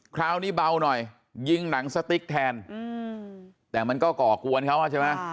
คราวนี้เบาหน่อยยิงหนังสติ๊กแทนแต่มันก็ก่อกวนเขาใช่ไหม